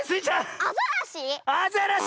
アザラシ？